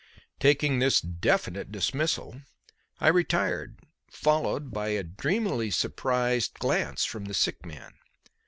Taking this definite dismissal, I retired, followed by a dreamily surprised glance from the sick man.